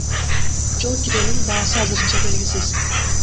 Жол киренин баасы азырынча белгисиз.